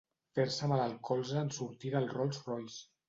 Fer-se mal al colze en sortir del Rolls Royce.